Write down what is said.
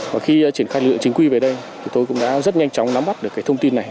và khi triển khai lựa chính quy về đây tôi cũng đã rất nhanh chóng nắm bắt được thông tin này